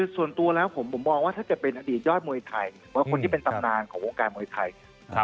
ส่วนตัวแล้วผมมองว่าถ้าจะเป็นอดีตยอดมวยไทยหรือว่าคนที่เป็นตำนานของวงการมวยไทย